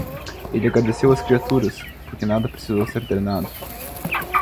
Ele agradeceu às criaturas, porque nada precisou ser drenado.